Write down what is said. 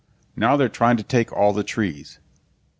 Now they're trying to take all the trees."